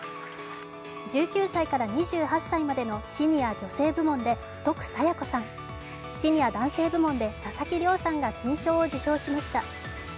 １９歳から２８歳までのシニア女性部門で徳彩也子さん、シニア男性部門で佐々木嶺さんが金賞を受賞しました。